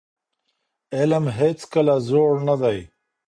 علم هيڅکله زوړ نه دی.